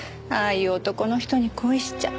いう男の人に恋しちゃ。